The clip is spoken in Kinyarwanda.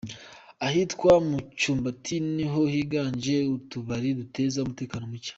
Ahitwa mu Cyumbati ni ho higanje utubari duteza umutekano muke.